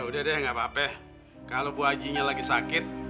bapak peh kalo bu hajinya lagi sakit